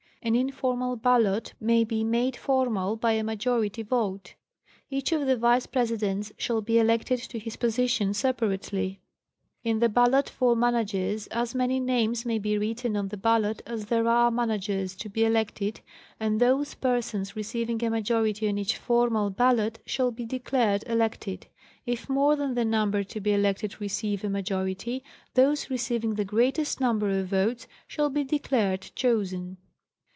An informal ballot may be made formal by a majority vote. Each of the Vice Presidents shall be elected to his position separately. S 310 National Geographic Magazine. In the ballot for Managers, as many names may be written on the ballot as there are Managers to be elected, and those persons receiving a majority on each formal ballot shall be declared elected. If more than the number to be elected receive a. majority, those receiving the greatest number of votes shall be declared chosen.